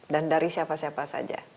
dan dari siapa siapa saja